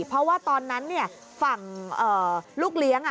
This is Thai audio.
เพราะว่าตอนนั้นฝั่งลูกเลี้ยง